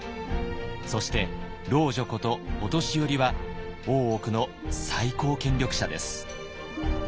そして「老女」こと「御年寄」は大奥の最高権力者です。